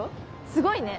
すごいね。